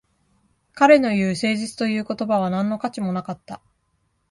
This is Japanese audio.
彼の言う誠実という言葉は何の価値もなかった